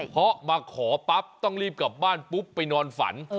เพราะมาขอปั๊บต้องรีบกลับบ้านปุ๊บไปนอนฝัน